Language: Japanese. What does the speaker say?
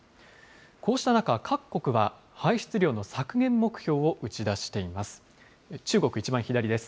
こうした中、各国は排出量の削減目標を打ち出しています。